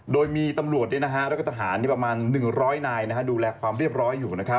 โดยมีตำรวจแล้วก็ทหารประมาณ๑๐๐นายดูแลความเรียบร้อยอยู่